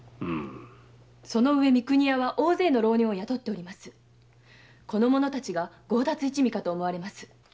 その上三国屋は大勢の浪人を雇っておりこの者たちが強奪一味かと思われます。